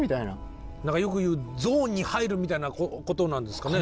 よく言う「ゾーンに入る」みたいなことなんですかね？